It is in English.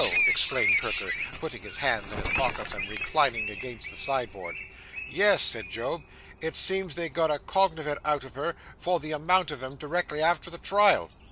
exclaimed Perker, putting his hands in his pockets, and reclining against the sideboard. 'Yes,' said Job. 'It seems they got a cognovit out of her, for the amount of 'em, directly after the trial.